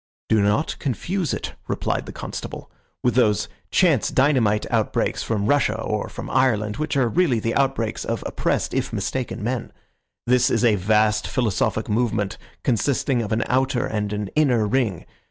"Do not confuse it," replied the constable, "with those chance dynamite outbreaks from Russia or from Ireland, which are really the outbreaks of oppressed, if mistaken, men. This is a vast philosophic movement, consisting of an outer and an inner ring.